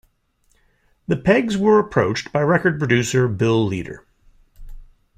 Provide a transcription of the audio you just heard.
The Peggs were approached by record producer Bill Leader.